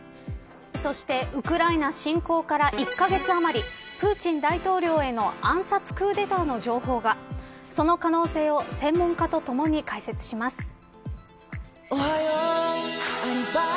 そしてウクライナ侵攻から１カ月余りプーチン大統領への暗殺クーデターの情報がその可能性を専門家とともに解説します。